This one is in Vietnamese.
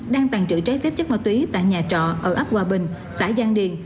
đang tàn trữ trái phép chất ma túy tại nhà trọ ở ấp hòa bình xã giang điền